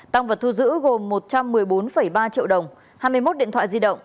tăng vật thu giữ gồm một trăm một mươi bốn ba triệu đồng hai mươi một điện thoại di động